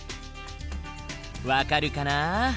分かるかな？